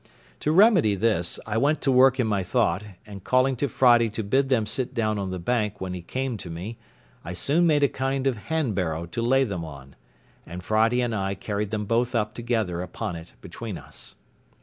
To remedy this, I went to work in my thought, and calling to Friday to bid them sit down on the bank while he came to me, I soon made a kind of hand barrow to lay them on, and Friday and I carried them both up together upon it between us.